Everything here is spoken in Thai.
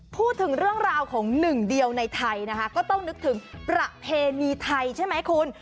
พูดถึงเรื่องราวของหนึ่งเดียวในไทยนะคะก็ต้องนึกถึงประเพณีไทยใช่ไหมคุณ